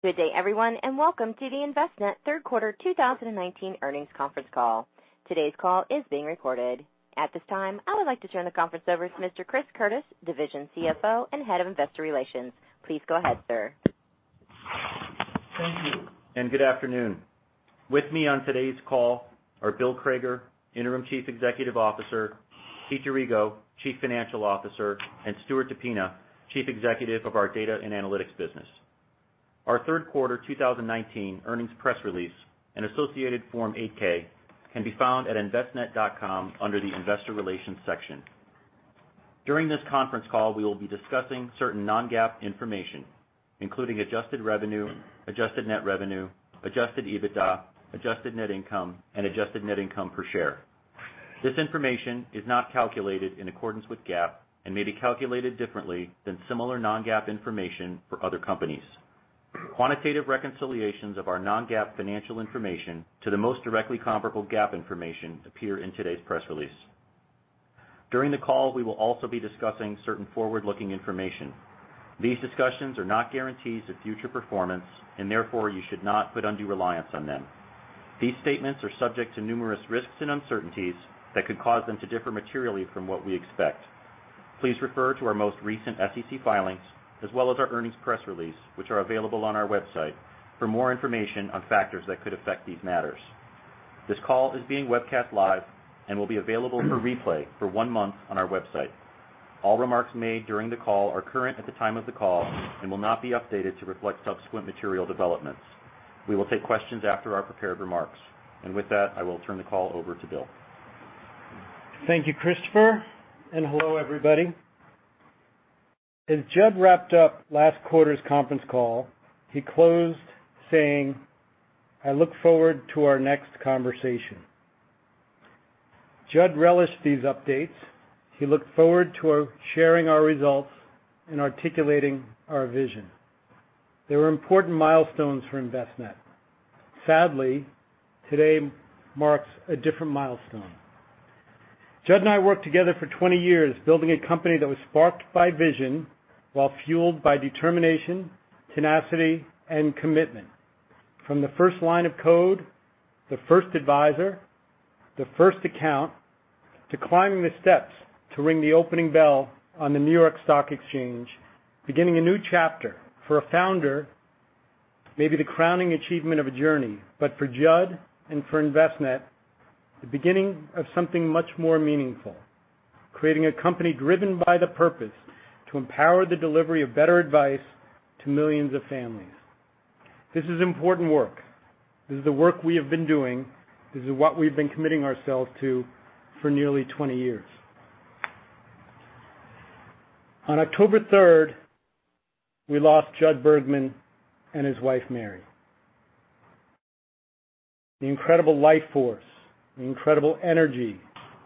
Good day, everyone, and welcome to the Envestnet third quarter 2019 earnings conference call. Today's call is being recorded. At this time, I would like to turn the conference over to Mr. Chris Curtis, Division CFO and Head of Investor Relations. Please go ahead, sir. Thank you, and good afternoon. With me on today's call are Bill Crager, Interim Chief Executive Officer, Pete D'Arrigo, Chief Financial Officer, and Stuart DePina, Chief Executive of our Data and Analytics business. Our third quarter 2019 earnings press release and associated Form 8-K can be found at envestnet.com under the Investor Relations section. During this conference call, we will be discussing certain non-GAAP information, including adjusted revenue, adjusted net revenue, adjusted EBITDA, adjusted net income, and adjusted net income per share. This information is not calculated in accordance with GAAP and may be calculated differently than similar non-GAAP information for other companies. Quantitative reconciliations of our non-GAAP financial information to the most directly comparable GAAP information appear in today's press release. During the call, we will also be discussing certain forward-looking information. These discussions are not guarantees of future performance, and therefore, you should not put undue reliance on them. These statements are subject to numerous risks and uncertainties that could cause them to differ materially from what we expect. Please refer to our most recent SEC filings as well as our earnings press release, which are available on our website for more information on factors that could affect these matters. This call is being webcast live and will be available for replay for one month on our website. All remarks made during the call are current at the time of the call and will not be updated to reflect subsequent material developments. We will take questions after our prepared remarks. With that, I will turn the call over to Bill. Thank you, Chris Hello, everybody. As Judd wrapped up last quarter's conference call, he closed saying, "I look forward to our next conversation." Judd relished these updates. He looked forward to sharing our results and articulating our vision. They were important milestones for Envestnet. Sadly, today marks a different milestone. Judd and I worked together for 20 years building a company that was sparked by vision while fueled by determination, tenacity, and commitment. From the first line of code, the first advisor, the first account, to climbing the steps to ring the opening bell on the New York Stock Exchange, beginning a new chapter for a founder may be the crowning achievement of a journey, but for Judd and for Envestnet, the beginning of something much more meaningful, creating a company driven by the purpose to empower the delivery of better advice to millions of families. This is important work. This is the work we have been doing. This is what we've been committing ourselves to for nearly 20 years. On October 3rd, we lost Jud Bergman and his wife, Mary. The incredible life force, the incredible energy,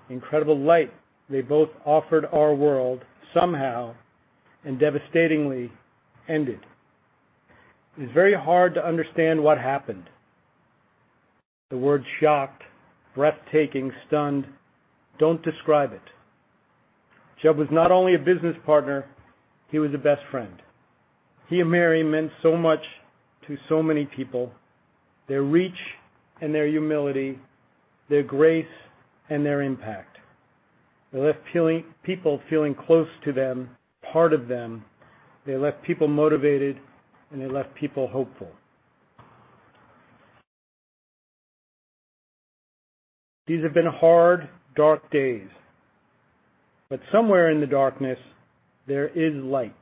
the incredible light they both offered our world somehow and devastatingly ended. It is very hard to understand what happened. The word shocked, breathtaking, stunned, don't describe it. Judd was not only a business partner, he was a best friend. He and Mary meant so much to so many people, their reach and their humility, their grace, and their impact. They left people feeling close to them, part of them. They left people motivated, and they left people hopeful. These have been hard, dark days. Somewhere in the darkness, there is light.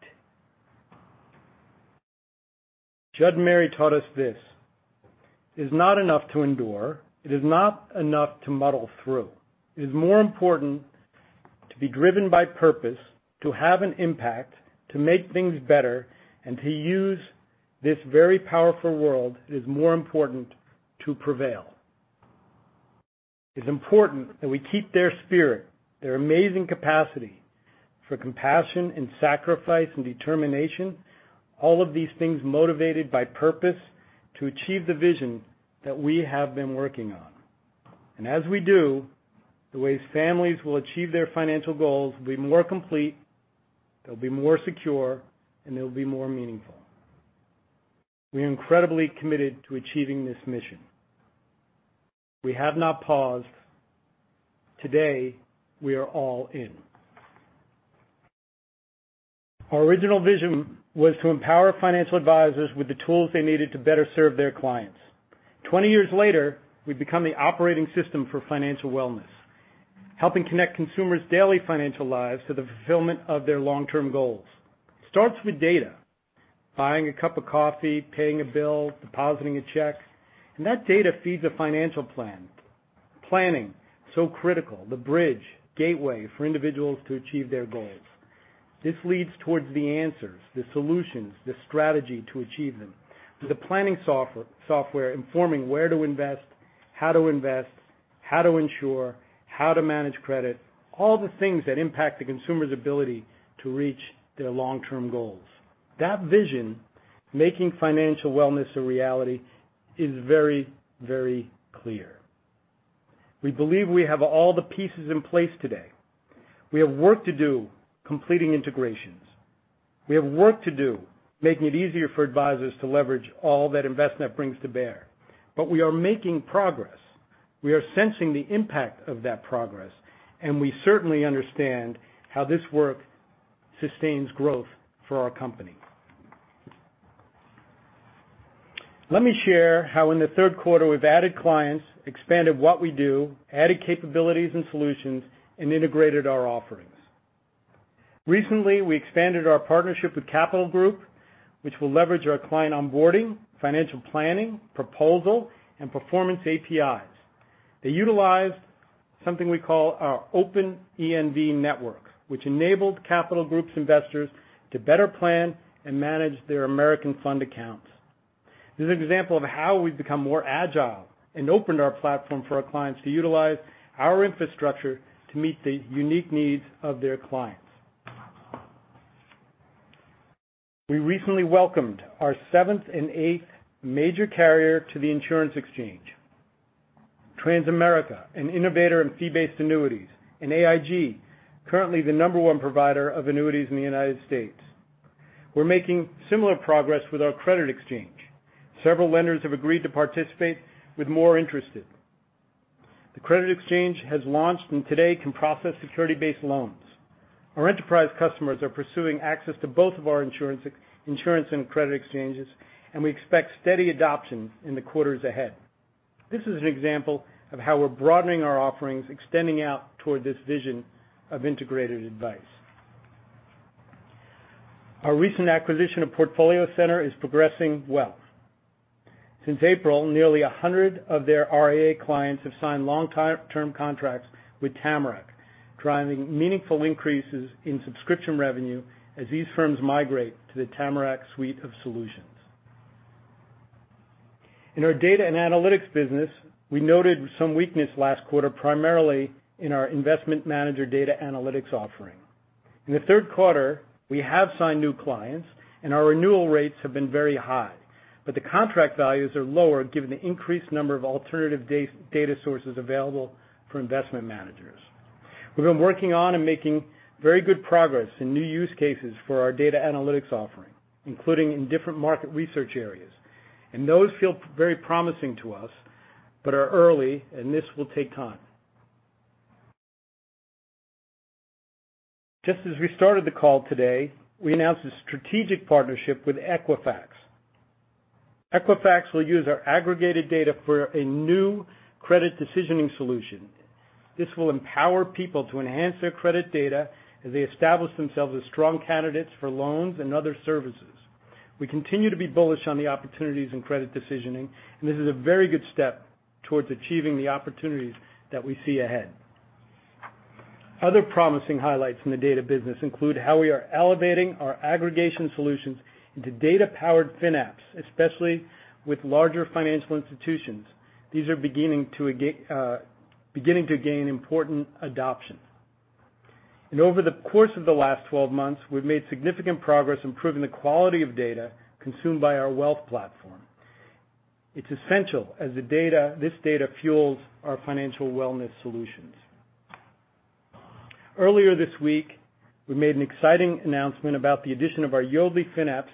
Judd and Mary taught us this. It is not enough to endure. It is not enough to muddle through. It is more important to be driven by purpose, to have an impact, to make things better, and to use this very powerful world. It is more important to prevail. It's important that we keep their spirit, their amazing capacity for compassion and sacrifice and determination, all of these things motivated by purpose to achieve the vision that we have been working on. As we do, the ways families will achieve their financial goals will be more complete, they'll be more secure, and they'll be more meaningful. We are incredibly committed to achieving this mission. We have not paused. Today, we are all in. Our original vision was to empower financial advisors with the tools they needed to better serve their clients. 20 years later, we've become the operating system for financial wellness, helping connect consumers' daily financial lives to the fulfillment of their long-term goals. It starts with data, buying a cup of coffee, paying a bill, depositing a check. That data feeds a financial plan. Planning, so critical, the bridge, gateway for individuals to achieve their goals. This leads towards the answers, the solutions, the strategy to achieve them, with the planning software informing where to invest, how to invest, how to insure, how to manage credit, all the things that impact the consumer's ability to reach their long-term goals. That vision, making financial wellness a reality, is very, very clear. We believe we have all the pieces in place today. We have work to do completing integrations. We have work to do making it easier for advisors to leverage all that Envestnet brings to bear. We are making progress. We are sensing the impact of that progress, and we certainly understand how this work sustains growth for our company. Let me share how in the third quarter we've added clients, expanded what we do, added capabilities and solutions, and integrated our offerings. Recently, we expanded our partnership with Capital Group, which will leverage our client onboarding, financial planning, proposal, and performance APIs. They utilized something we call our Open ENV Network, which enabled Capital Group's investors to better plan and manage their American Funds accounts. This is an example of how we've become more agile and opened our platform for our clients to utilize our infrastructure to meet the unique needs of their clients. We recently welcomed our seventh and eighth major carrier to the Insurance Exchange, Transamerica, an innovator in fee-based annuities, and AIG, currently the number one provider of annuities in the United States. We're making similar progress with our Credit Exchange. Several lenders have agreed to participate, with more interested. The Credit Exchange has launched and today can process security-based loans. Our enterprise customers are pursuing access to both of our Insurance and Credit Exchanges, and we expect steady adoption in the quarters ahead. This is an example of how we're broadening our offerings, extending out toward this vision of integrated advice. Our recent acquisition of PortfolioCenter is progressing well. Since April, nearly 100 of their RIA clients have signed long-term contracts with Tamarac, driving meaningful increases in subscription revenue as these firms migrate to the Tamarac suite of solutions. In our data and analytics business, we noted some weakness last quarter, primarily in our investment manager data analytics offering. In the third quarter, we have signed new clients, and our renewal rates have been very high, but the contract values are lower given the increased number of alternative data sources available for investment managers. We've been working on and making very good progress in new use cases for our data analytics offering, including in different market research areas, and those feel very promising to us but are early and this will take time. Just as we started the call today, we announced a strategic partnership with Equifax. Equifax will use our aggregated data for a new credit decisioning solution. This will empower people to enhance their credit data as they establish themselves as strong candidates for loans and other services. We continue to be bullish on the opportunities in credit decisioning, and this is a very good step towards achieving the opportunities that we see ahead. Other promising highlights in the data business include how we are elevating our aggregation solutions into data-powered FinApps, especially with larger financial institutions. These are beginning to gain important adoption. Over the course of the last 12 months, we've made significant progress improving the quality of data consumed by our wealth platform. It's essential, as this data fuels our financial wellness solutions. Earlier this week, we made an exciting announcement about the addition of our Yodlee FinApps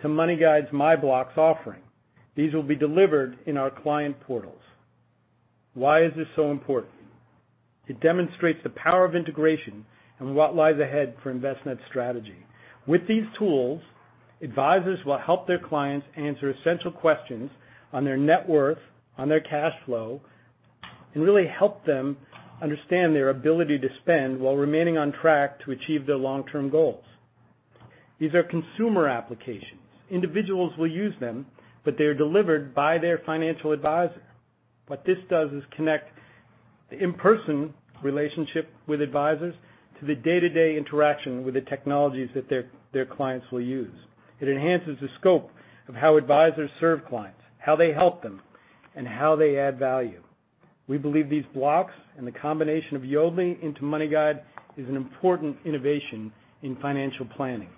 to MoneyGuide's MyBlocks offering. These will be delivered in our client portals. Why is this so important? It demonstrates the power of integration and what lies ahead for Envestnet's strategy. With these tools, advisors will help their clients answer essential questions on their net worth, on their cash flow, and really help them understand their ability to spend while remaining on track to achieve their long-term goals. These are consumer applications. Individuals will use them, but they are delivered by their financial advisor. What this does is connect the in-person relationship with advisors to the day-to-day interaction with the technologies that their clients will use. It enhances the scope of how advisors serve clients, how they help them, and how they add value. We believe these blocks and the combination of Yodlee into MoneyGuide is an important innovation in financial planning.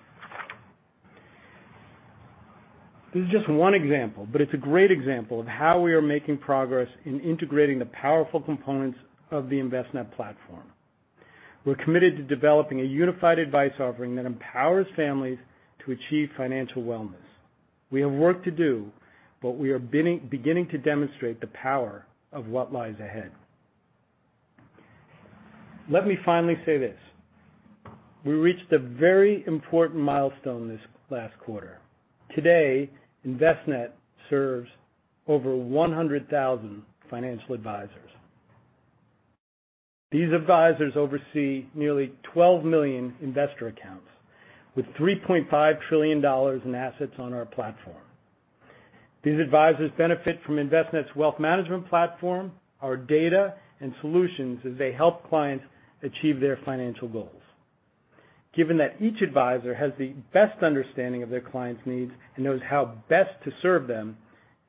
This is just one example, but it's a great example of how we are making progress in integrating the powerful components of the Envestnet platform. We're committed to developing a unified advice offering that empowers families to achieve financial wellness. We have work to do, but we are beginning to demonstrate the power of what lies ahead. Let me finally say this. We reached a very important milestone this last quarter. Today, Envestnet serves over 100,000 financial advisors. These advisors oversee nearly 12 million investor accounts with $3.5 trillion in assets on our platform. These advisors benefit from Envestnet's wealth management platform, our data and solutions as they help clients achieve their financial goals. Given that each advisor has the best understanding of their clients' needs and knows how best to serve them,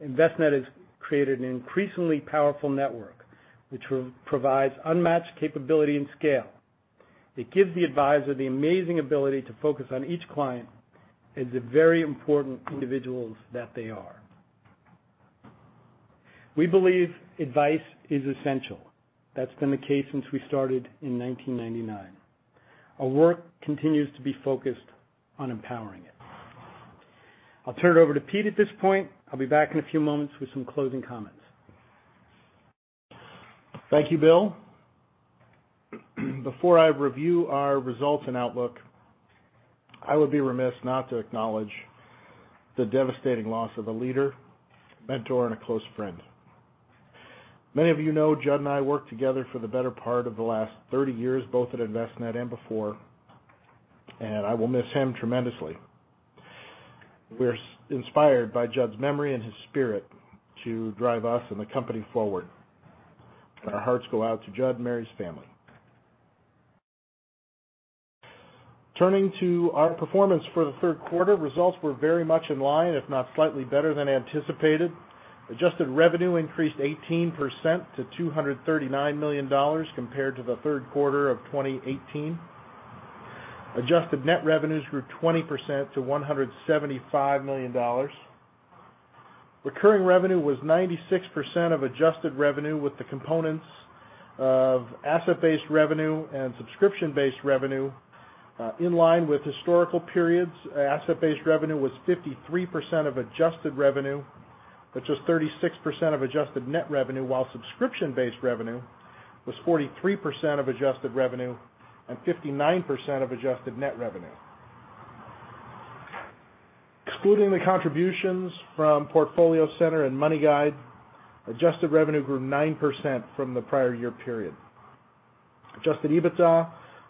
Envestnet has created an increasingly powerful network, which provides unmatched capability and scale. It gives the advisor the amazing ability to focus on each client as the very important individuals that they are. We believe advice is essential. That's been the case since we started in 1999. Our work continues to be focused on empowering it. I'll turn it over to Pete at this point. I'll be back in a few moments with some closing comments. Thank you, Bill. Before I review our results and outlook, I would be remiss not to acknowledge the devastating loss of a leader, mentor, and a close friend. Many of you know, Judd and I worked together for the better part of the last 30 years, both at Envestnet and before, and I will miss him tremendously. We're inspired by Judd's memory and his spirit to drive us and the company forward. Our hearts go out to Judd and Mary's family. Turning to our performance for the third quarter, results were very much in line, if not slightly better than anticipated. adjusted revenue increased 18% to $239 million compared to the third quarter of 2018. adjusted net revenue grew 20% to $175 million. Recurring revenue was 96% of adjusted revenue, with the components of asset-based revenue and subscription-based revenue in line with historical periods. Asset-based revenue was 53% of adjusted revenue, which was 36% of adjusted net revenue, while subscription-based revenue was 43% of adjusted revenue and 59% of adjusted net revenue. Excluding the contributions from PortfolioCenter and MoneyGuide, adjusted revenue grew 9% from the prior year period. Adjusted EBITDA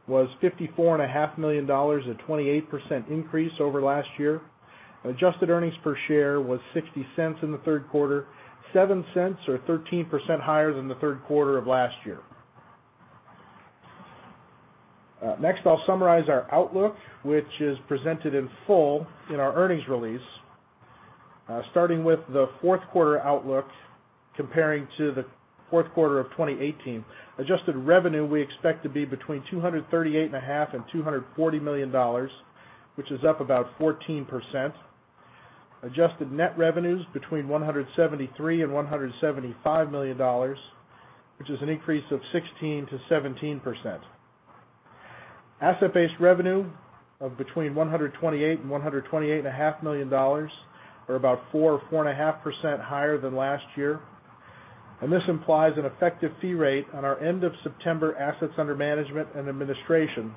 was $54.5 million, a 28% increase over last year. Adjusted earnings per share was $0.60 in the third quarter, $0.07 or 13% higher than the third quarter of last year. I'll summarize our outlook, which is presented in full in our earnings release. Starting with the fourth quarter outlook, comparing to the fourth quarter of 2018. Adjusted revenue we expect to be between $238.5 million and $240 million, which is up about 14%. Adjusted net revenue is between $173 million and $175 million, which is an increase of 16% to 17%. Asset-based revenue of between $128 and $128.5 million, or about 4% or 4.5% higher than last year. This implies an effective fee rate on our end of September assets under management and administration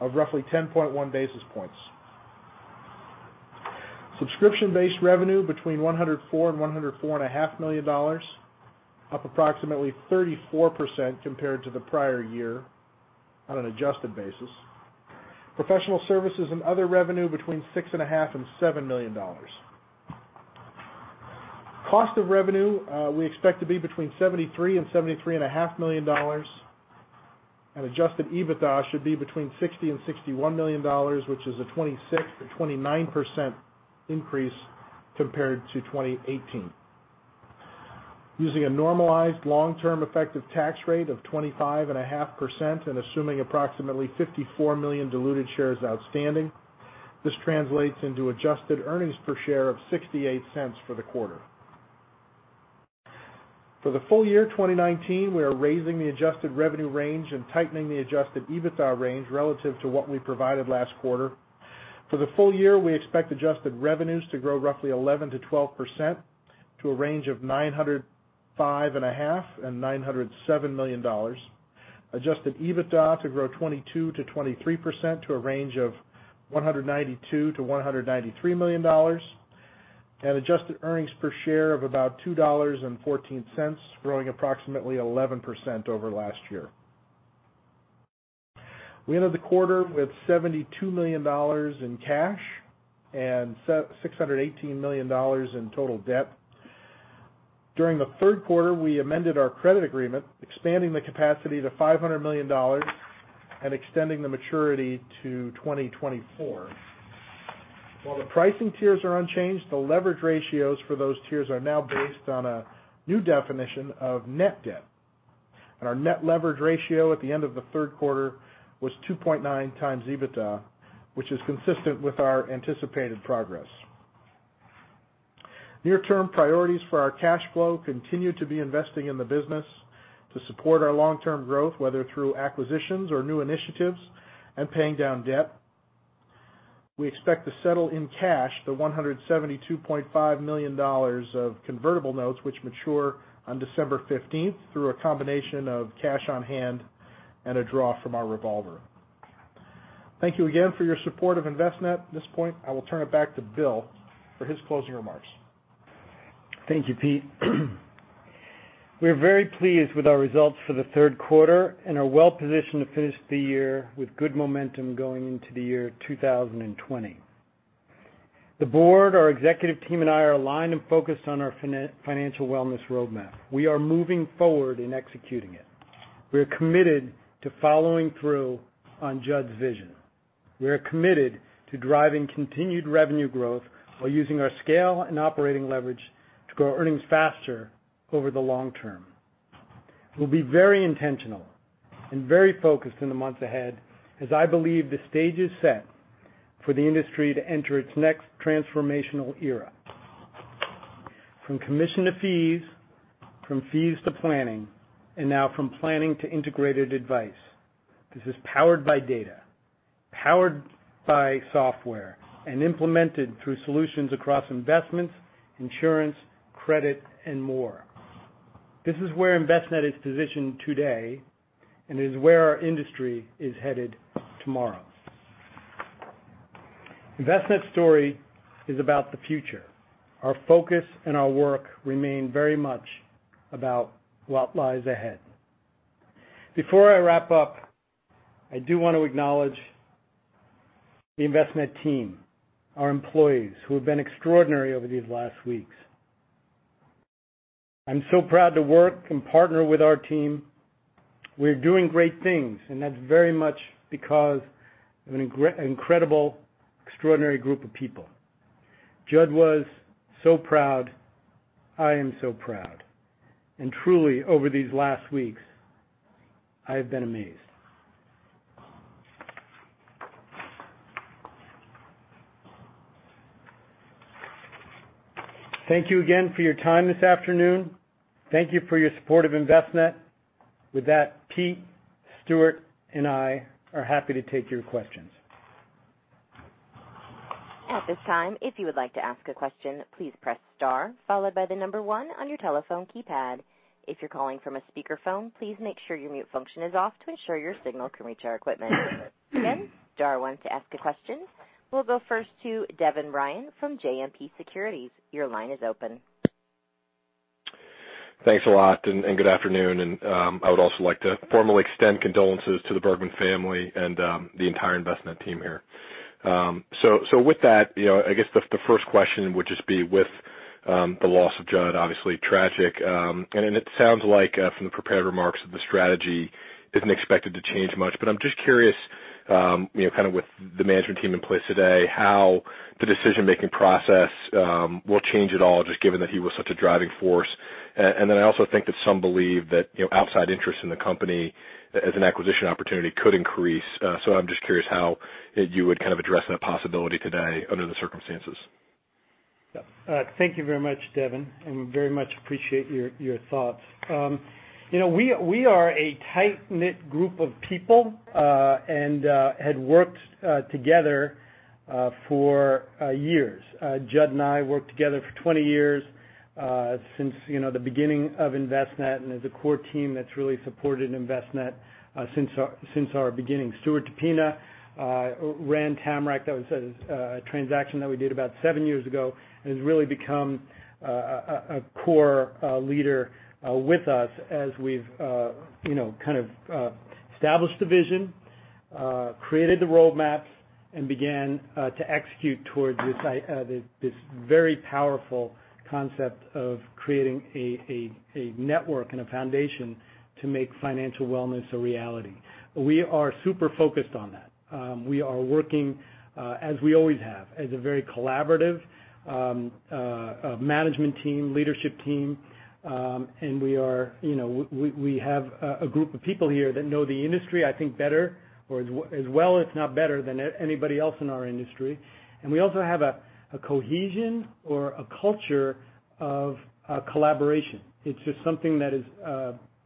of roughly 10.1 basis points. Subscription-based revenue between $104 and $104.5 million, up approximately 34% compared to the prior year on an adjusted basis. Professional services and other revenue between $6.5 and $7 million. Cost of revenue we expect to be between $73 and $73.5 million. Adjusted EBITDA should be between $60 and $61 million, which is a 26% to 29% increase compared to 2018. Using a normalized long-term effective tax rate of 25.5% and assuming approximately 54 million diluted shares outstanding, this translates into adjusted earnings per share of $0.68 for the quarter. For the full year 2019, we are raising the adjusted revenue range and tightening the adjusted EBITDA range relative to what we provided last quarter. For the full year, we expect adjusted revenues to grow roughly 11%-12%, to a range of $905.5 million and $907 million. Adjusted EBITDA to grow 22%-23% to a range of $192 million-$193 million. Adjusted earnings per share of about $2.14, growing approximately 11% over last year. We ended the quarter with $72 million in cash and $618 million in total debt. During the third quarter, we amended our credit agreement, expanding the capacity to $500 million and extending the maturity to 2024. While the pricing tiers are unchanged, the leverage ratios for those tiers are now based on a new definition of net debt. Our net leverage ratio at the end of the third quarter was 2.9 times EBITDA, which is consistent with our anticipated progress. Near-term priorities for our cash flow continue to be investing in the business to support our long-term growth, whether through acquisitions or new initiatives and paying down debt. We expect to settle in cash the $172.5 million of convertible notes, which mature on December 15th, through a combination of cash on hand and a draw from our revolver. Thank you again for your support of Envestnet. At this point, I will turn it back to Bill for his closing remarks. Thank you, Pete. We are very pleased with our results for the third quarter and are well positioned to finish the year with good momentum going into the year 2020. The board, our executive team, and I are aligned and focused on our financial wellness roadmap. We are moving forward and executing it. We are committed to following through on Judd's vision. We are committed to driving continued revenue growth while using our scale and operating leverage to grow earnings faster over the long term. We'll be very intentional and very focused in the months ahead, as I believe the stage is set for the industry to enter its next transformational era. From commission to fees, from fees to planning, and now from planning to integrated advice. This is powered by data, powered by software, and implemented through solutions across investments, insurance, credit, and more. This is where Envestnet is positioned today, and it is where our industry is headed tomorrow. Envestnet's story is about the future. Our focus and our work remain very much about what lies ahead. Before I wrap up, I do want to acknowledge the Envestnet team, our employees, who have been extraordinary over these last weeks. I'm so proud to work and partner with our team. We are doing great things, and that's very much because of an incredible, extraordinary group of people. Judd was so proud. I am so proud. Truly, over these last weeks, I have been amazed. Thank you again for your time this afternoon. Thank you for your support of Envestnet. With that, Pete, Stuart, and I are happy to take your questions. At this time, if you would like to ask a question, please press star followed by the number one on your telephone keypad. If you're calling from a speakerphone, please make sure your mute function is off to ensure your signal can reach our equipment. Again, star one to ask a question. We'll go first to Devin Ryan from JMP Securities. Your line is open. Thanks a lot, good afternoon. I would also like to formally extend condolences to the Bergman family and the entire Envestnet team here. With that, I guess the first question would just be with the loss of Judd, obviously tragic, and it sounds like from the prepared remarks that the strategy isn't expected to change much, but I'm just curious, kind of with the management team in place today, how the decision-making process will change at all, just given that he was such a driving force. I also think that some believe that outside interest in the company as an acquisition opportunity could increase. I'm just curious how you would kind of address that possibility today under the circumstances. Thank you very much, Devin, and we very much appreciate your thoughts. We are a tight-knit group of people, and had worked together for years. Jud and I worked together for 20 years, since the beginning of Envestnet and as a core team that's really supported Envestnet since our beginning. Stuart DePina ran Tamarac. That was a transaction that we did about seven years ago, and has really become a core leader with us as we've kind of established the vision, created the roadmaps, and began to execute towards this very powerful concept of creating a network and a foundation to make financial wellness a reality. We are super focused on that. We are working, as we always have, as a very collaborative management team, leadership team. We have a group of people here that know the industry, I think, better, or as well, if not better than anybody else in our industry. We also have a cohesion or a culture of collaboration. It's just something that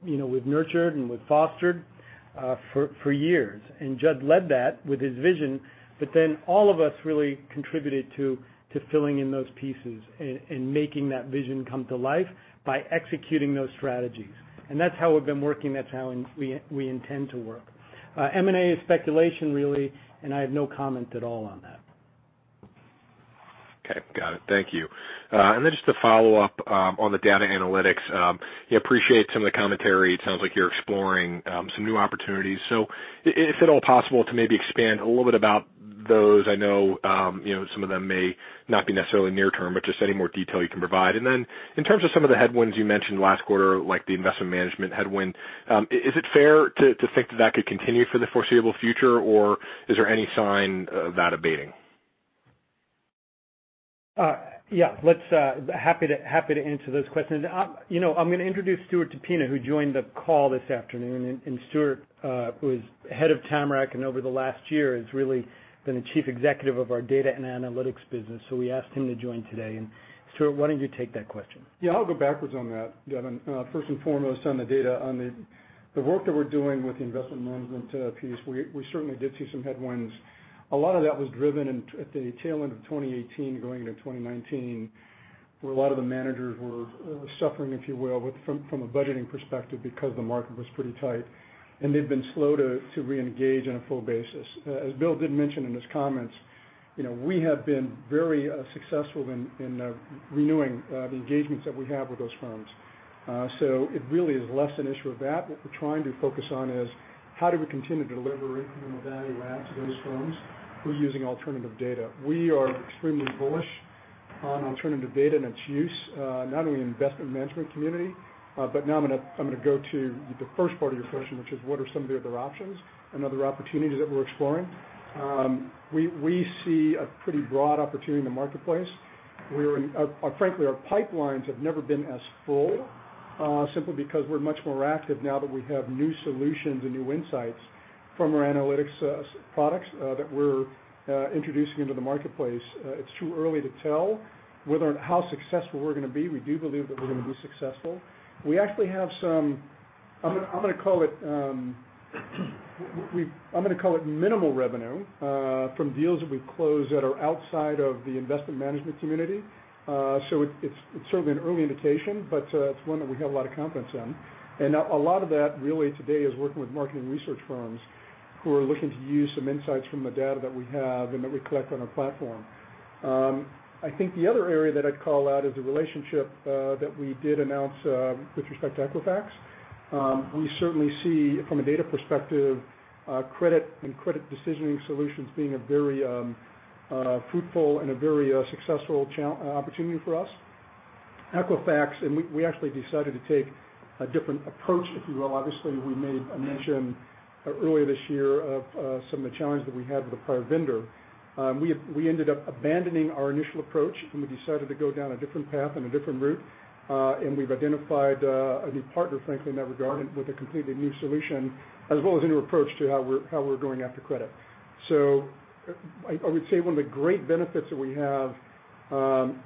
we've nurtured and we've fostered for years. Judd led that with his vision, all of us really contributed to filling in those pieces and making that vision come to life by executing those strategies. That's how we've been working, that's how we intend to work. M&A is speculation, really, and I have no comment at all on that. Okay, got it. Thank you. Then just to follow up on the data analytics. Appreciate some of the commentary. It sounds like you're exploring some new opportunities. If at all possible, to maybe expand a little bit about those. I know some of them may not be necessarily near term, but just any more detail you can provide. Then in terms of some of the headwinds you mentioned last quarter, like the investment management headwind, is it fair to think that that could continue for the foreseeable future, or is there any sign of that abating? Yeah. Happy to answer those questions. I'm going to introduce Stuart DePina, who joined the call this afternoon, and Stuart, who is head of Tamarac, and over the last year has really been the Chief Executive of our Data and Analytics business, so we asked him to join today. Stuart, why don't you take that question? Yeah, I'll go backwards on that, Devin. First and foremost on the data. On the work that we're doing with the investment management piece, we certainly did see some headwinds. A lot of that was driven at the tail end of 2018 going into 2019, where a lot of the managers were suffering, if you will, from a budgeting perspective because the market was pretty tight, and they've been slow to reengage on a full basis. As Bill did mention in his comments, we have been very successful in renewing the engagements that we have with those firms. It really is less an issue of that. What we're trying to focus on is how do we continue to deliver incremental value add to those firms who's using alternative data. We are extremely bullish on turning the data and its use, not only in investment management community. Now I'm going to go to the first part of your question, which is what are some of the other options and other opportunities that we're exploring? We see a pretty broad opportunity in the marketplace. Frankly, our pipelines have never been as full, simply because we're much more active now that we have new solutions and new insights from our analytics products that we're introducing into the marketplace. It's too early to tell how successful we're going to be. We do believe that we're going to be successful. We actually have some, I'm going to call it minimal revenue from deals that we've closed that are outside of the investment management community. It's sort of an early indication, but it's one that we have a lot of confidence in. A lot of that really today is working with marketing research firms who are looking to use some insights from the data that we have and that we collect on our platform. I think the other area that I'd call out is the relationship that we did announce with respect to Equifax. We certainly see from a data perspective, credit and credit decisioning solutions being a very fruitful and a very successful opportunity for us. Equifax, and we actually decided to take a different approach, if you will. Obviously, we made a mention earlier this year of some of the challenges that we had with a prior vendor. We ended up abandoning our initial approach, and we decided to go down a different path and a different route. We've identified a new partner, frankly, in that regard with a completely new solution as well as a new approach to how we're going after credit. I would say one of the great benefits that we have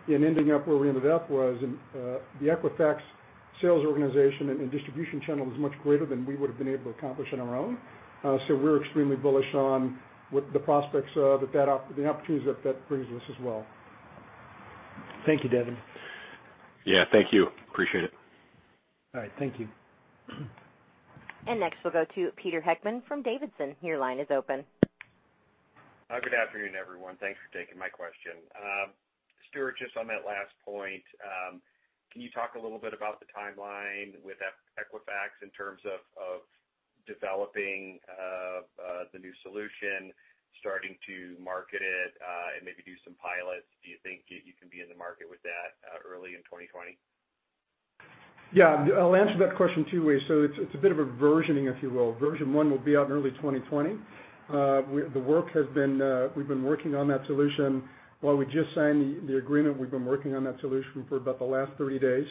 in ending up where we ended up was the Equifax sales organization and distribution channel was much greater than we would've been able to accomplish on our own. We're extremely bullish on what the prospects are, the opportunities that brings us as well. Thank you, Devin. Yeah. Thank you. Appreciate it. All right. Thank you. Next, we'll go to Peter Heckmann from D.A. Davidson. Your line is open. Hi. Good afternoon, everyone. Thanks for taking my question. Stuart, just on that last point, can you talk a little bit about the timeline with Equifax in terms of developing the new solution, starting to market it, and maybe do some pilots? Do you think you can be in the market with that early in 2020? Yeah, I'll answer that question two ways. It's a bit of a versioning, if you will. Version one will be out in early 2020. We've been working on that solution while we just signed the agreement, we've been working on that solution for about the last 30 days.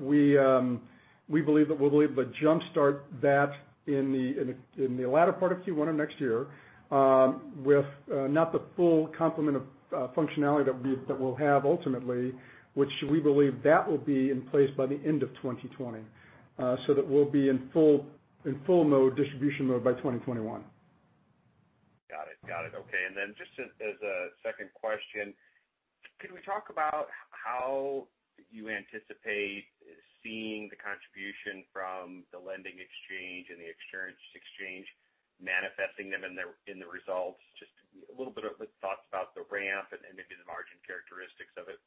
We believe that we'll be able to jumpstart that in the latter part of Q1 of next year with not the full complement of functionality that we'll have ultimately, which we believe that will be in place by the end of 2020, that we'll be in full mode, distribution mode by 2021. Got it. Okay. Then just as a second question, could we talk about how you anticipate seeing the contribution from the Credit Exchange and the Insurance Exchange manifesting them in the results? Just a little bit of the thoughts about the ramp and maybe the margin characteristics of it.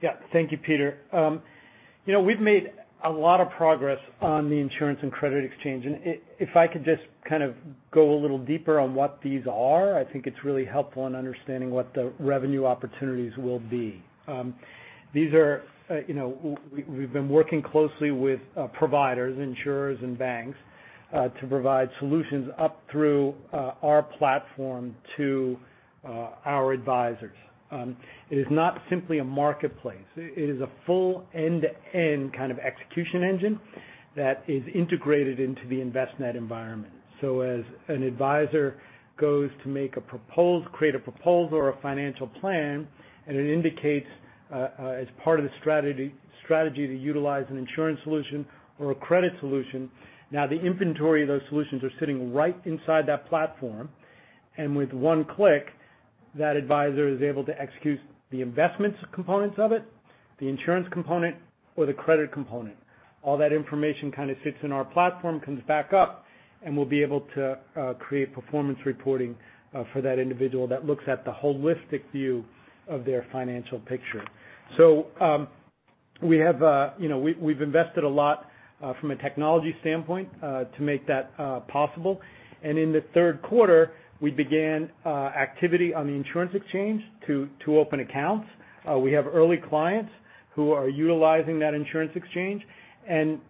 Yeah. Thank you, Peter. We've made a lot of progress on the Insurance Exchange and Credit Exchange. If I could just go a little deeper on what these are, I think it's really helpful in understanding what the revenue opportunities will be. We've been working closely with providers, insurers, and banks to provide solutions up through our platform to our advisors. It is not simply a marketplace. It is a full end-to-end kind of execution engine that is integrated into the Envestnet environment. As an advisor goes to create a proposal or a financial plan, and it indicates as part of the strategy to utilize an insurance solution or a credit solution, now the inventory of those solutions are sitting right inside that platform. With one click, that advisor is able to execute the investments components of it, the insurance component or the credit component. All that information sits in our platform, comes back up, and we'll be able to create performance reporting for that individual that looks at the holistic view of their financial picture. We've invested a lot from a technology standpoint to make that possible. In the third quarter, we began activity on the Insurance Exchange to open accounts. We have early clients who are utilizing that Insurance Exchange and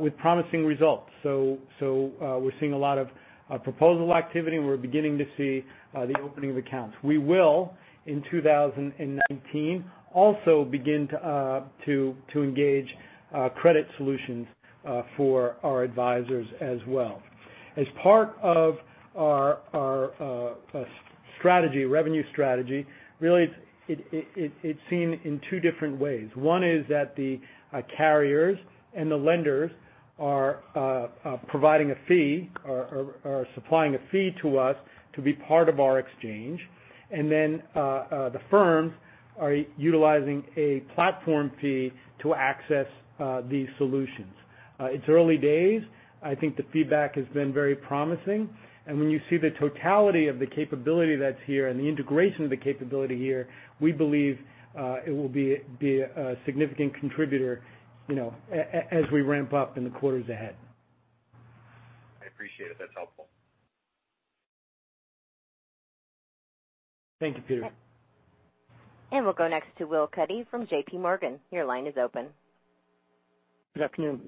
with promising results. We're seeing a lot of proposal activity. We're beginning to see the opening of accounts. We will, in 2019, also begin to engage credit solutions for our advisors as well. As part of our revenue strategy, really it's seen in two different ways. One is that the carriers and the lenders are providing a fee or are supplying a fee to us to be part of our exchange. The firms are utilizing a platform fee to access these solutions. It's early days. I think the feedback has been very promising. When you see the totality of the capability that's here and the integration of the capability here, we believe it will be a significant contributor as we ramp up in the quarters ahead. Appreciate it. That's helpful. Thank you, Peter. We'll go next to Will Cutty from J.P. Morgan. Your line is open. Good afternoon.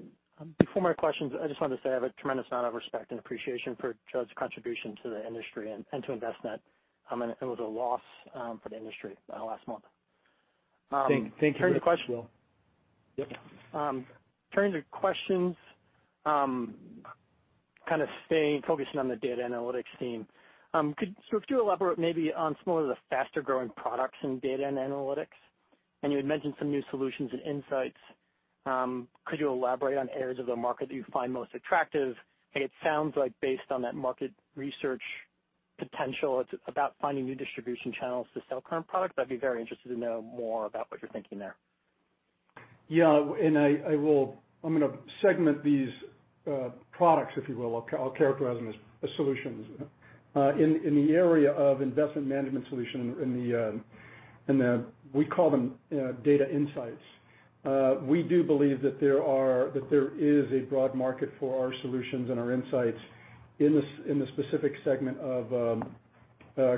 Before my questions, I just wanted to say I have a tremendous amount of respect and appreciation for Jud's contribution to the industry and to Envestnet. It was a loss for the industry last month. Thank you. Turning to questions. Yep. Turning to questions. Kind of staying focused on the data analytics team. Could you elaborate maybe on some of the faster-growing products in data and analytics? You had mentioned some new solutions and insights. Could you elaborate on areas of the market that you find most attractive? It sounds like based on that market research potential, it's about finding new distribution channels to sell current products. I'd be very interested to know more about what you're thinking there. Yeah. I'm going to segment these products, if you will. I'll characterize them as solutions. In the area of investment management solution, we call them data insights. We do believe that there is a broad market for our solutions and our insights in the specific segment of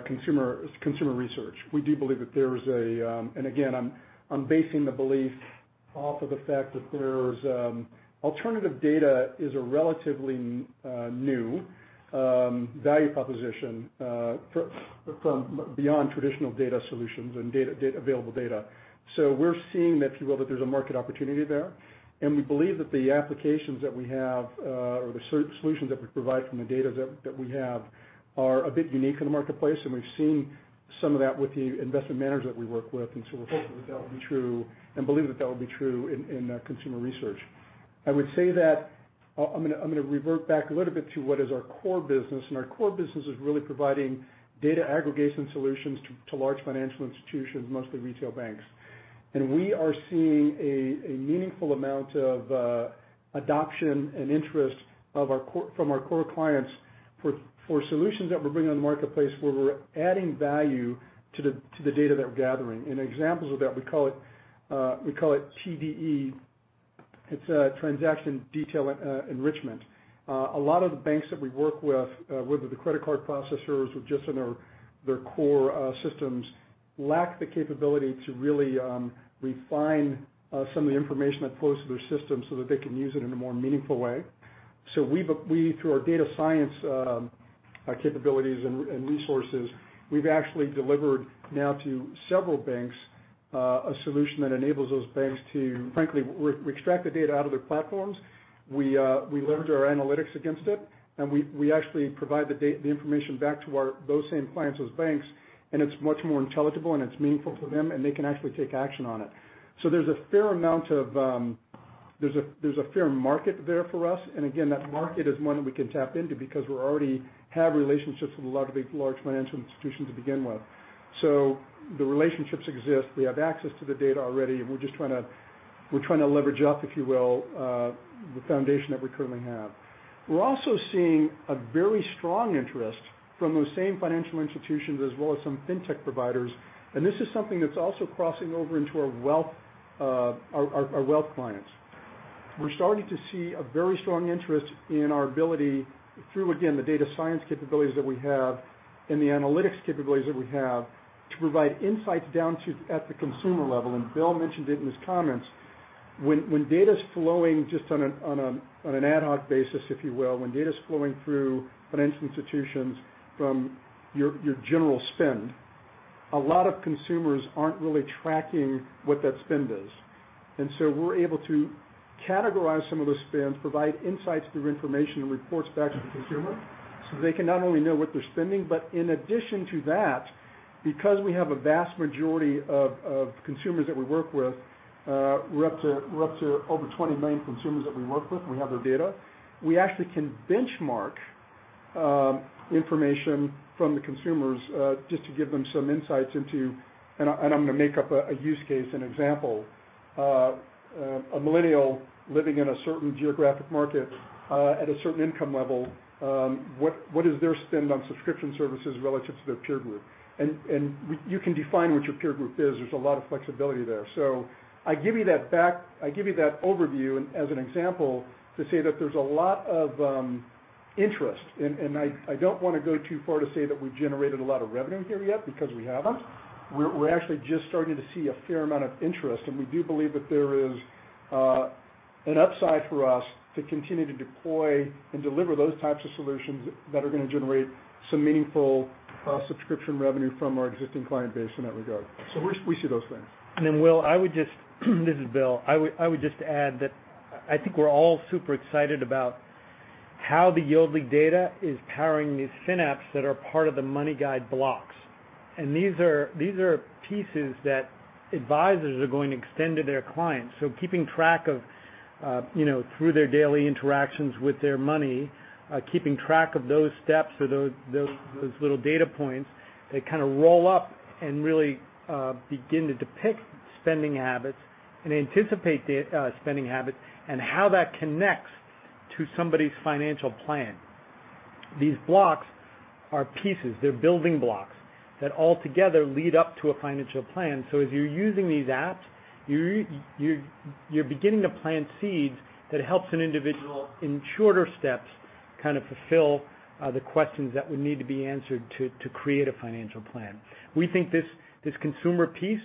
consumer research. We do believe that there is, again, I'm basing the belief off of the fact that there's alternative data is a relatively new value proposition from beyond traditional data solutions and available data. We're seeing that there's a market opportunity there, and we believe that the applications that we have or the solutions that we provide from the data that we have are a bit unique in the marketplace, and we've seen some of that with the investment managers that we work with. We're hopeful that that will be true and believe that that will be true in consumer research. I would say that I'm going to revert back a little bit to what is our core business, our core business is really providing data aggregation solutions to large financial institutions, mostly retail banks. We are seeing a meaningful amount of adoption and interest from our core clients for solutions that we're bringing on the marketplace, where we're adding value to the data that we're gathering. Examples of that, we call it TDE. It's a Transaction Data Enrichment. A lot of the banks that we work with whether the credit card processors or just in their core systems, lack the capability to really refine some of the information that flows through their system so that they can use it in a more meaningful way. Through our data science capabilities and resources, we've actually delivered now to several banks a solution that enables those banks to frankly, we extract the data out of their platforms. We leverage our analytics against it, and we actually provide the information back to those same clients, those banks, and it's much more intelligible, and it's meaningful to them, and they can actually take action on it. There's a fair market there for us, and again, that market is one we can tap into because we already have relationships with a lot of big, large financial institutions to begin with. The relationships exist. We have access to the data already, and we're just trying to leverage up, if you will the foundation that we currently have. We're also seeing a very strong interest from those same financial institutions as well as some fintech providers. This is something that's also crossing over into our wealth clients. We're starting to see a very strong interest in our ability through, again, the data science capabilities that we have and the analytics capabilities that we have to provide insights down at the consumer level. Bill mentioned it in his comments. When data's flowing just on an ad hoc basis, if you will, when data's flowing through financial institutions from your general spend, a lot of consumers aren't really tracking what that spend is. We're able to categorize some of the spend, provide insights through information and reports back to the consumer so they can not only know what they're spending, but in addition to that, because we have a vast majority of consumers that we work with, we're up to over 20 million consumers that we work with, and we have their data. We actually can benchmark information from the consumers just to give them some insights into and I'm going to make up a use case and example. A millennial living in a certain geographic market at a certain income level. What is their spend on subscription services relative to their peer group? You can define what your peer group is. There's a lot of flexibility there. I give you that overview and as an example to say that there's a lot of interest. I don't want to go too far to say that we've generated a lot of revenue here yet because we haven't. We're actually just starting to see a fair amount of interest, and we do believe that there is an upside for us to continue to deploy and deliver those types of solutions that are going to generate some meaningful subscription revenue from our existing client base in that regard. We see those things. Will, this is Bill. I would just add that I think we're all super excited about how the Yodlee data is powering these FinApps that are part of the MoneyGuide blocks. These are pieces that advisors are going to extend to their clients. Keeping track of through their daily interactions with their money, keeping track of those steps or those little data points that kind of roll up and really begin to depict spending habits and anticipate spending habits and how that connects to somebody's financial plan. These blocks are pieces. They're building blocks that all together lead up to a financial plan. If you're using these apps, you're beginning to plant seeds that helps an individual in shorter steps fulfill the questions that would need to be answered to create a financial plan. We think this consumer piece,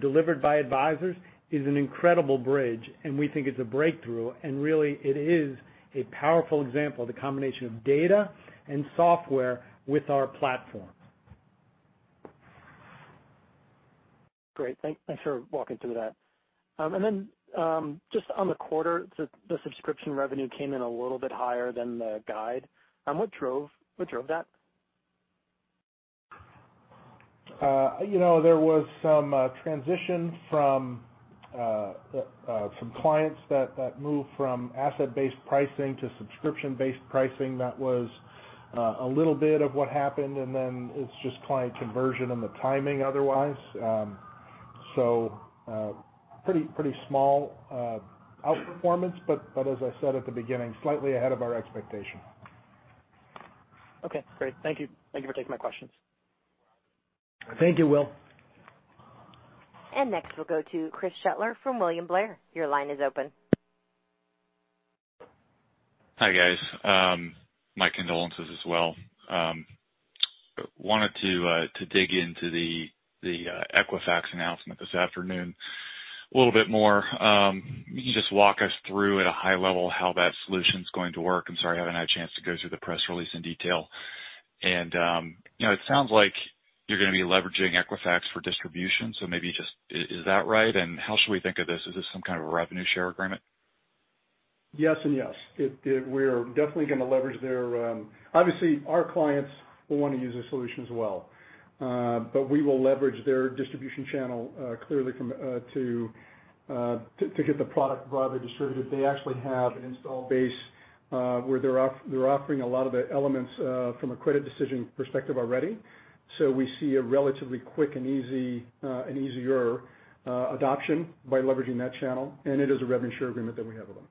delivered by advisors, is an incredible bridge, and we think it's a breakthrough. Really it is a powerful example of the combination of data and software with our platform. Great. Thanks for walking through that. Then, just on the quarter, the subscription revenue came in a little bit higher than the guide. What drove that? There was some transition from some clients that moved from asset-based pricing to subscription-based pricing. That was a little bit of what happened, and then it's just client conversion and the timing otherwise. Pretty small outperformance, but as I said at the beginning, slightly ahead of our expectation. Okay, great. Thank you. Thank you for taking my questions. Thank you, Will. Next we'll go to Chris Shutler from William Blair. Your line is open. Hi, guys. My condolences as well. Wanted to dig into the Equifax announcement this afternoon a little bit more. Can you just walk us through at a high level how that solution's going to work? I'm sorry, I haven't had a chance to go through the press release in detail. It sounds like you're going to be leveraging Equifax for distribution. Is that right? How should we think of this? Is this some kind of a revenue share agreement? Yes and yes. We are definitely going to leverage their Obviously, our clients will want to use this solution as well. We will leverage their distribution channel clearly to get the product broadly distributed. They actually have an install base, where they're offering a lot of the elements from a credit decision perspective already. We see a relatively quick and easier adoption by leveraging that channel, and it is a revenue share agreement that we have with them.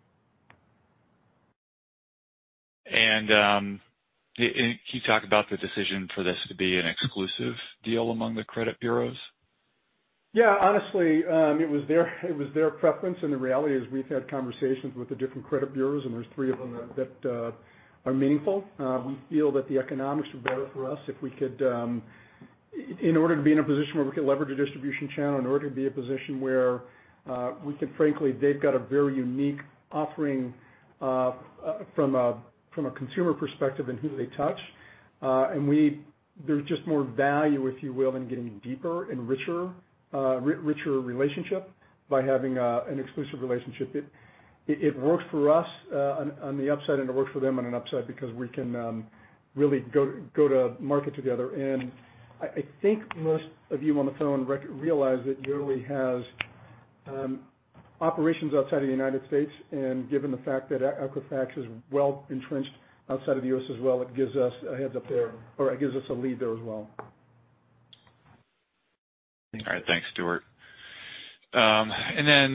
Can you talk about the decision for this to be an exclusive deal among the credit bureaus? Yeah. Honestly, it was their preference. The reality is we've had conversations with the different credit bureaus, and there's three of them that are meaningful. We feel that the economics are better for us in order to be in a position where we could leverage a distribution channel, in order to be in a position where we could frankly, they've got a very unique offering from a consumer perspective in who they touch. There's just more value, if you will, in getting deeper and richer relationship by having an exclusive relationship. It works for us on the upside, and it works for them on an upside because we can really go to market together. I think most of you on the phone realize that Yodlee has operations outside of the United States, and given the fact that Equifax is well-entrenched outside of the U.S. as well, it gives us a heads up there, or it gives us a lead there as well. All right. Thanks, Stuart. Any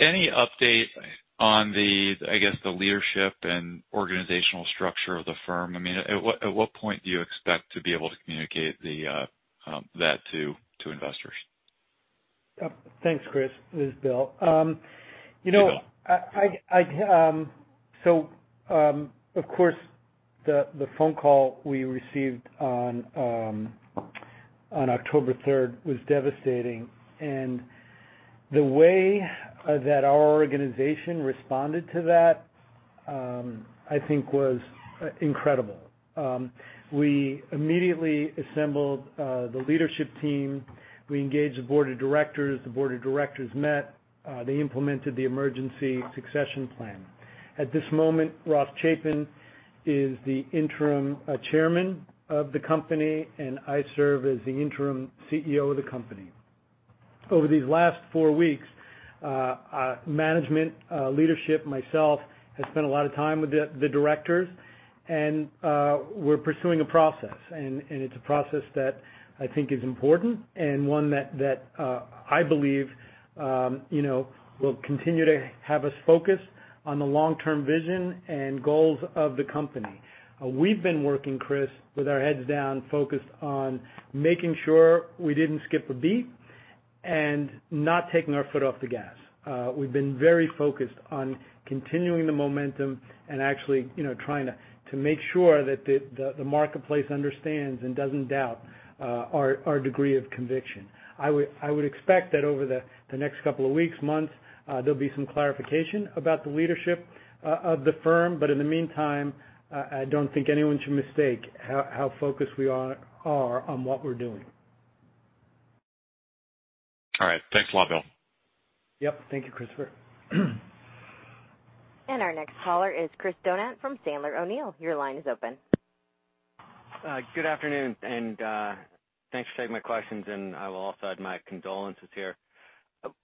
update on the leadership and organizational structure of the firm? At what point do you expect to be able to communicate that to investors? Thanks, Chris. This is Bill. Hey, Bill. Of course, the phone call we received on October third was devastating. The way that our organization responded to that I think was incredible. We immediately assembled the leadership team. We engaged the board of directors. The board of directors met. They implemented the emergency succession plan. At this moment, Ross Chapin is the interim chairman of the company, and I serve as the interim CEO of the company. Over these last four weeks, management leadership, myself, has spent a lot of time with the directors, and we're pursuing a process. It's a process that I think is important and one that I believe will continue to have us focused on the long-term vision and goals of the company. We've been working, Chris, with our heads down, focused on making sure we didn't skip a beat and not taking our foot off the gas. We've been very focused on continuing the momentum and actually trying to make sure that the marketplace understands and doesn't doubt our degree of conviction. I would expect that over the next couple of weeks, months, there'll be some clarification about the leadership of the firm. In the meantime, I don't think anyone should mistake how focused we are on what we're doing. All right. Thanks a lot, Bill. Yep. Thank you, Christopher. Our next caller is Chris Donat from Sandler O'Neill. Your line is open. Good afternoon, and thanks for taking my questions, and I will also add my condolences here.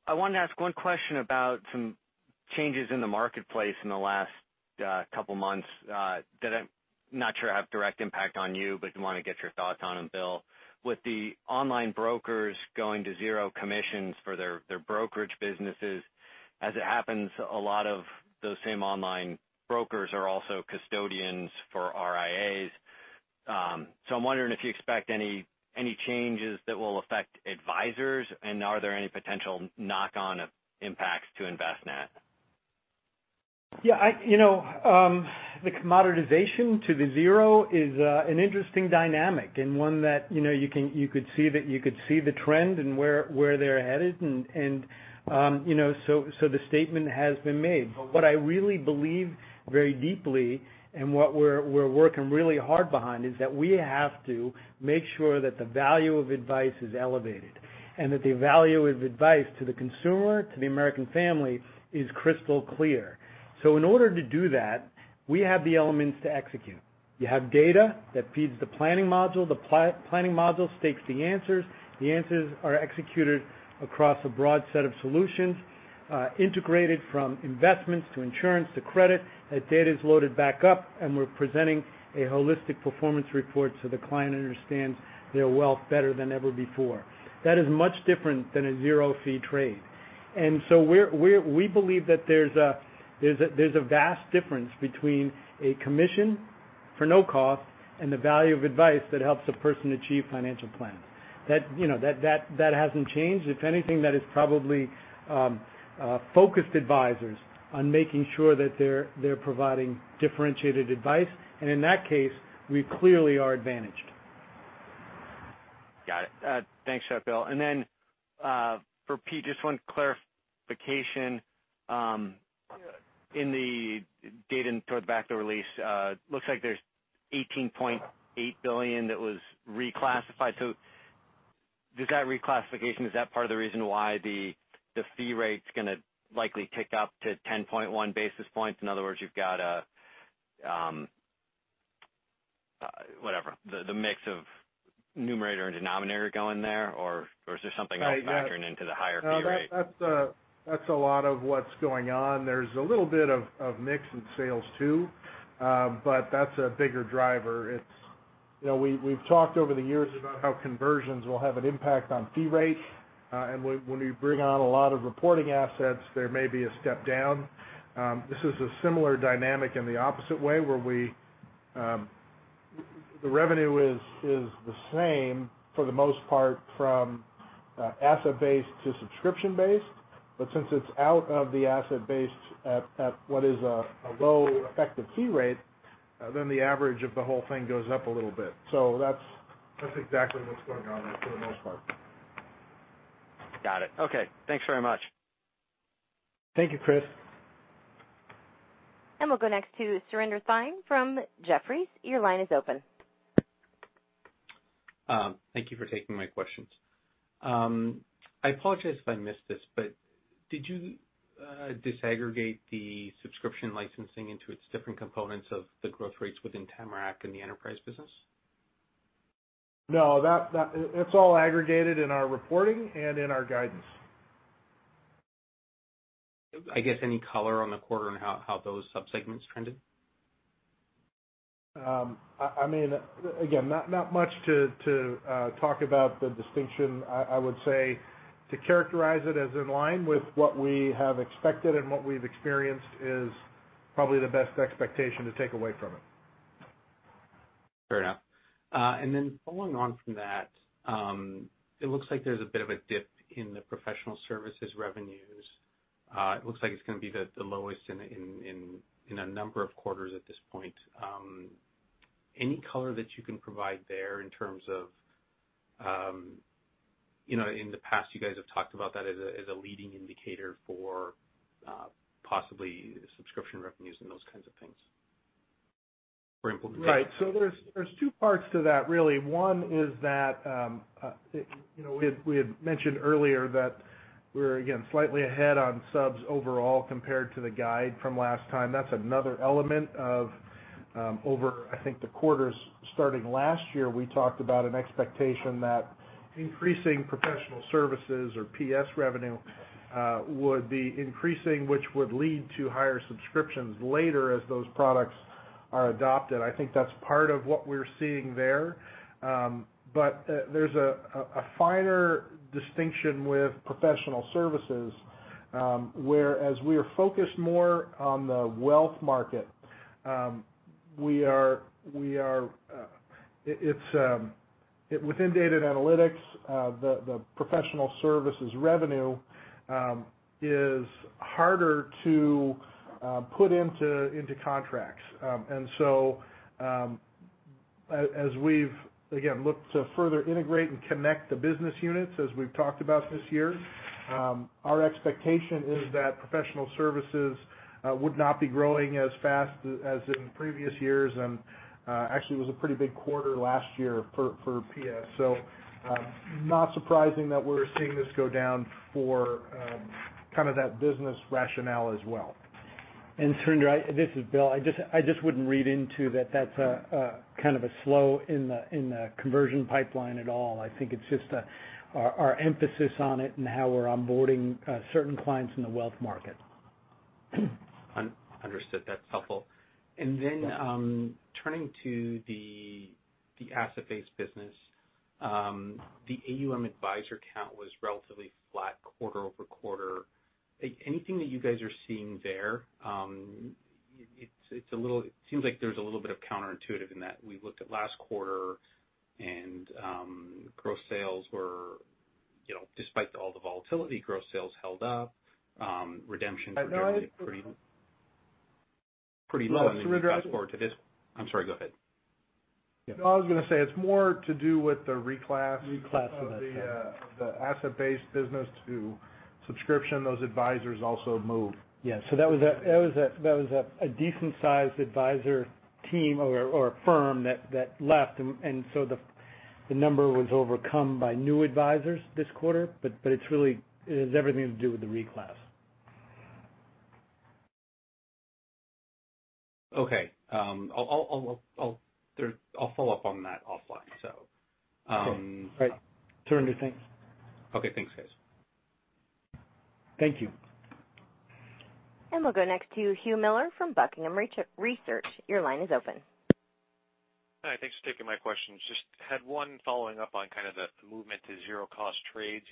I wanted to ask one question about some changes in the marketplace in the last couple of months that I'm not sure have direct impact on you, but I want to get your thoughts on them, Bill. With the online brokers going to zero commissions for their brokerage businesses, as it happens, a lot of those same online brokers are also custodians for RIAs. I'm wondering if you expect any changes that will affect advisors, and are there any potential knock-on impacts to Envestnet? The commoditization to the zero is an interesting dynamic, and one that you could see the trend and where they're headed. The statement has been made. What I really believe very deeply, and what we're working really hard behind, is that we have to make sure that the value of advice is elevated, and that the value of advice to the consumer, to the American family, is crystal clear. In order to do that, we have the elements to execute. You have data that feeds the planning module. The planning module takes the answers. The answers are executed across a broad set of solutions, integrated from investments to insurance to credit. That data is loaded back up, and we're presenting a holistic performance report so the client understands their wealth better than ever before. That is much different than a zero-fee trade. We believe that there's a vast difference between a commission for no cost and the value of advice that helps a person achieve financial plans. That hasn't changed. If anything, that has probably focused advisors on making sure that they're providing differentiated advice. In that case, we clearly are advantaged. Got it. Thanks, Bill. For Pete, just one clarification. In the data towards the back of the release, looks like there's $18.8 billion that was reclassified. Does that reclassification, is that part of the reason why the fee rate's going to likely tick up to 10.1 basis points? In other words, you've got, whatever, the mix of numerator and denominator going there? Is there something else factoring into the higher fee rate? That's a lot of what's going on. There's a little bit of mix in sales, too, but that's a bigger driver. We've talked over the years about how conversions will have an impact on fee rates. When we bring on a lot of reporting assets, there may be a step down. This is a similar dynamic in the opposite way, where the revenue is the same, for the most part, from asset-based to subscription-based. Since it's out of the asset-based at what is a low effective fee rate, then the average of the whole thing goes up a little bit. That's exactly what's going on there, for the most part. Got it. Okay. Thanks very much. Thank you, Chris. We'll go next to Surinder Thind from Jefferies. Your line is open. Thank you for taking my questions. I apologize if I missed this, but did you disaggregate the subscription licensing into its different components of the growth rates within Tamarac and the enterprise business? No, that's all aggregated in our reporting and in our guidance. I guess any color on the quarter and how those subsegments trended? Again, not much to talk about the distinction. I would say to characterize it as in line with what we have expected and what we've experienced is probably the best expectation to take away from it. Fair enough. Following on from that, it looks like there's a bit of a dip in the professional services revenues. It looks like it's going to be the lowest in a number of quarters at this point. Any color that you can provide there in terms of, in the past you guys have talked about that as a leading indicator for possibly subscription revenues and those kinds of things for input? Right. There's two parts to that, really. One is that we had mentioned earlier that we're, again, slightly ahead on subs overall compared to the guide from last time. That's another element of over, I think, the quarters starting last year, we talked about an expectation that increasing professional services or PS revenue would be increasing, which would lead to higher subscriptions later as those products are adopted. I think that's part of what we're seeing there. There's a finer distinction with professional services, where as we are focused more on the wealth market within data and analytics, the professional services revenue is harder to put into contracts. As we've, again, looked to further integrate and connect the business units as we've talked about this year, our expectation is that professional services would not be growing as fast as in previous years. Actually, it was a pretty big quarter last year for PS. Not surprising that we're seeing this go down for kind of that business rationale as well. Surinder, this is Bill. I just wouldn't read into that that's kind of a slow in the conversion pipeline at all. I think it's just our emphasis on it and how we're onboarding certain clients in the wealth market. Understood. That's helpful. Turning to the asset-based business. The AUM advisor count was relatively flat quarter-over-quarter. Anything that you guys are seeing there? It seems like there's a little bit of counterintuitive in that we looked at last quarter and despite all the volatility, gross sales held up. Redemptions were generally pretty low. Well, it's redeployed. I'm sorry, go ahead. No, I was going to say, it's more to do with the reclass- Reclass of it. of the asset-based business to subscription. Those advisors also moved. Yeah. That was a decent sized advisor team or a firm that left. The number was overcome by new advisors this quarter. It has everything to do with the reclass. Okay. I'll follow up on that offline. Okay. Great. Surinder, thanks. Okay. Thanks, guys. Thank you. We'll go next to Hugh Miller from Buckingham Research. Your line is open. Hi, thanks for taking my questions. Just had one following up on kind of the movement to zero cost trades.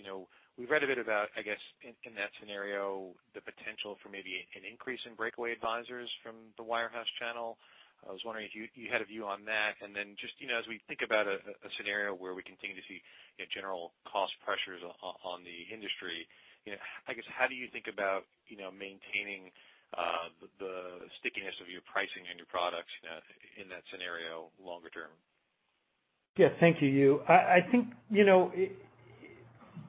We read a bit about, I guess, in that scenario, the potential for maybe an increase in breakaway advisors from the wirehouse channel. I was wondering if you had a view on that, and then just as we think about a scenario where we continue to see general cost pressures on the industry, I guess, how do you think about maintaining the stickiness of your pricing and your products in that scenario longer term? Yeah. Thank you, Hugh. I think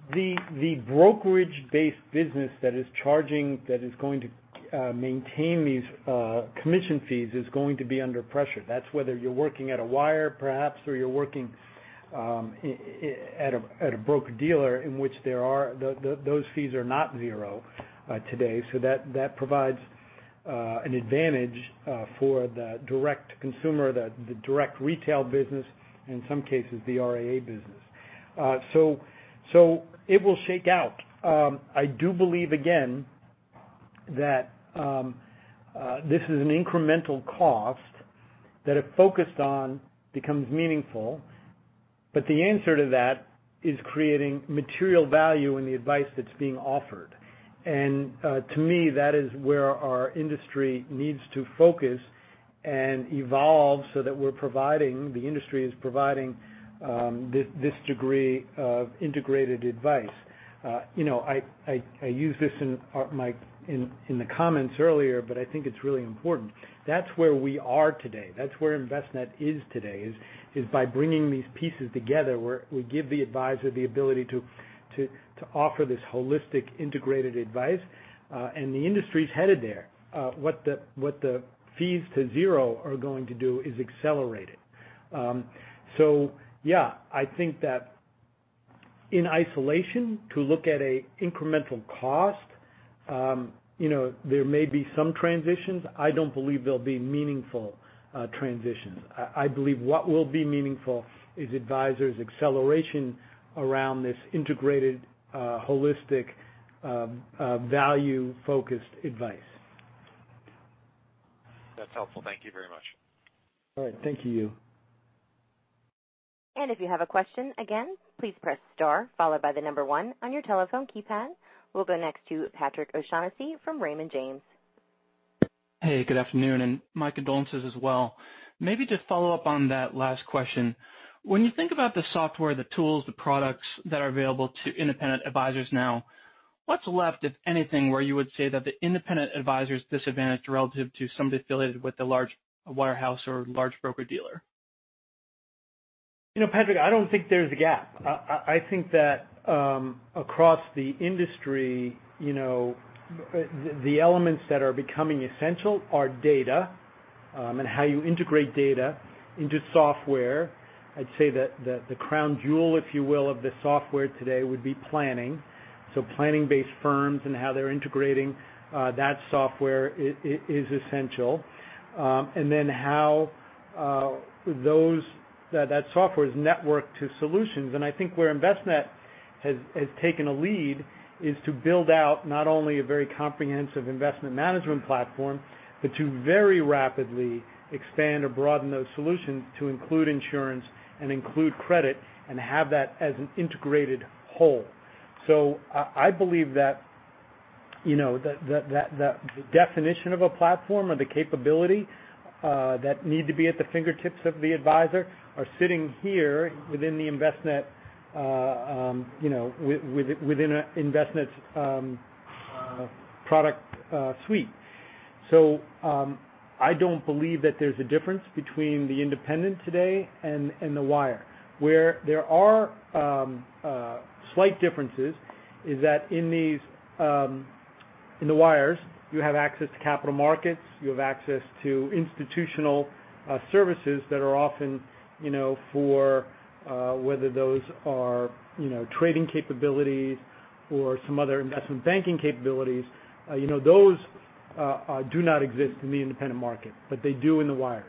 the brokerage-based business that is going to maintain these commission fees is going to be under pressure. That's whether you're working at a wire, perhaps, or you're working at a broker-dealer in which those fees are not zero today. That provides an advantage for the direct consumer, the direct retail business, in some cases, the RIA business. It will shake out. I do believe, again, that this is an incremental cost that if focused on, becomes meaningful. The answer to that is creating material value in the advice that's being offered. To me, that is where our industry needs to focus and evolve so that the industry is providing this degree of integrated advice. I used this in the comments earlier, but I think it's really important. That's where we are today. That's where Envestnet is today, is by bringing these pieces together, where we give the advisor the ability to offer this holistic, integrated advice, and the industry's headed there. What the fees to zero are going to do is accelerate it. Yeah, I think that in isolation, to look at a incremental cost, there may be some transitions. I don't believe there'll be meaningful transitions. I believe what will be meaningful is advisors' acceleration around this integrated, holistic, value-focused advice. That's helpful. Thank you very much. All right. Thank you, Hugh. If you have a question, again, please press star followed by the number one on your telephone keypad. We'll go next to Patrick O'Shaughnessy from Raymond James. Hey, good afternoon, and my condolences as well. Maybe to follow up on that last question. When you think about the software, the tools, the products that are available to independent advisors now, what's left, if anything, where you would say that the independent advisor is disadvantaged relative to somebody affiliated with a large wirehouse or large broker-dealer? Patrick, I don't think there's a gap. I think that across the industry, the elements that are becoming essential are data, and how you integrate data into software. I'd say that the crown jewel, if you will, of the software today would be planning. Planning-based firms and how they're integrating that software is essential. Then how that software is networked to solutions. I think where Envestnet has taken a lead is to build out not only a very comprehensive investment management platform, but to very rapidly expand or broaden those solutions to include insurance and include credit, and have that as an integrated whole. I believe that the definition of a platform or the capability that need to be at the fingertips of the advisor are sitting here within Envestnet's product suite. I don't believe that there's a difference between the independent today and the wire. Where there are slight differences is that in the wires, you have access to capital markets, you have access to institutional services that are often for whether those are trading capabilities or some other investment banking capabilities. Those do not exist in the independent market, but they do in the wires.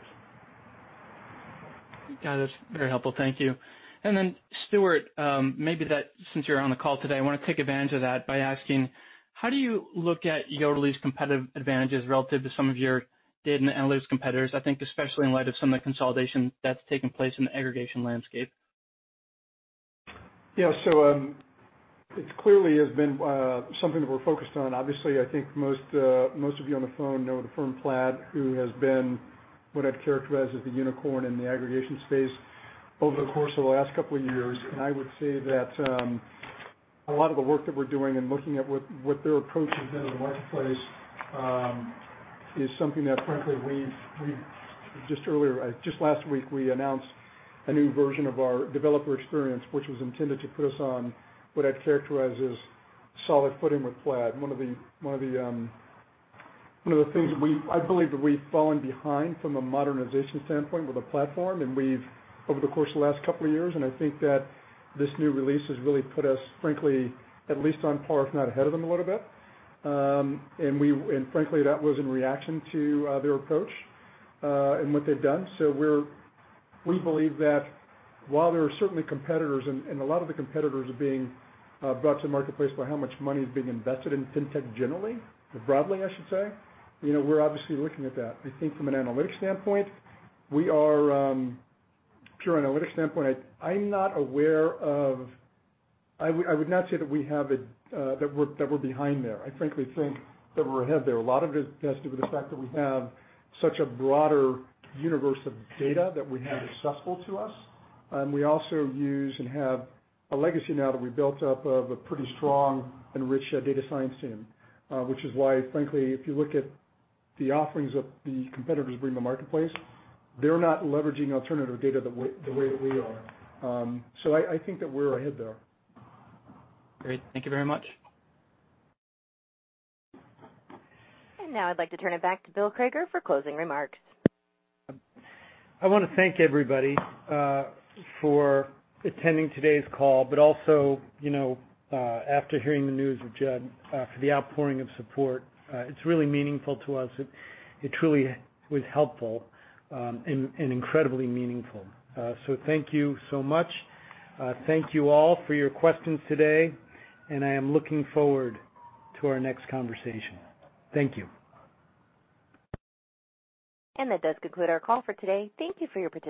Got it. That's very helpful. Thank you. Stuart, maybe that since you're on the call today, I want to take advantage of that by asking, how do you look at Yodlee's competitive advantages relative to some of your data analytics competitors, I think especially in light of some of the consolidation that's taken place in the aggregation landscape? Yeah. It clearly has been something that we're focused on. Obviously, I think most of you on the phone know the firm Plaid, who has been what I'd characterize as the unicorn in the aggregation space over the course of the last couple of years. I would say that a lot of the work that we're doing and looking at what their approach has been in the marketplace is something that frankly Just last week we announced a new version of our developer experience, which was intended to put us on what I'd characterize as solid footing with Plaid. One of the things I believe that we've fallen behind from a modernization standpoint with a platform and over the course of the last couple of years, and I think that this new release has really put us frankly, at least on par, if not ahead of them a little bit. Frankly, that was in reaction to their approach and what they've done. We believe that while there are certainly competitors and a lot of the competitors are being brought to the marketplace by how much money is being invested in fintech generally, or broadly, I should say, we're obviously looking at that. I think from an analytics standpoint, pure analytics standpoint, I would not say that we're behind there. I frankly think that we're ahead there. A lot of it has to do with the fact that we have such a broader universe of data that we have accessible to us. We also use and have a legacy now that we built up of a pretty strong and rich data science team. Which is why, frankly, if you look at the offerings that the competitors bring to the marketplace, they're not leveraging alternative data the way that we are. I think that we're ahead there. Great. Thank you very much. Now I'd like to turn it back to Bill Crager for closing remarks. I want to thank everybody for attending today's call, but also after hearing the news with Judd, for the outpouring of support. It's really meaningful to us. It truly was helpful and incredibly meaningful. Thank you so much. Thank you all for your questions today, and I am looking forward to our next conversation. Thank you. That does conclude our call for today. Thank you for your participation